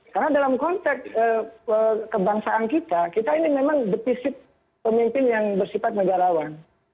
karena dalam konteks kebangsaan kita kita ini memang depisit pemimpin yang bersifat negarawan